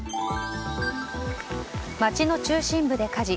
街の中心部で火事。